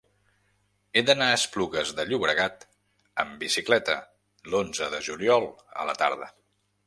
He d'anar a Esplugues de Llobregat amb bicicleta l'onze de juliol a la tarda.